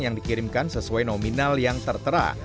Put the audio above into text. yang dikirimkan sesuai nominal yang tertera